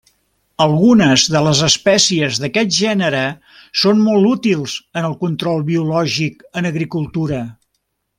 Algunes de les espècies d'aquest gènere són molt útils en el control biològic en agricultura.